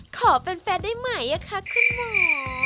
ขอเป็นแฟนได้ไหมคะคุณหมอ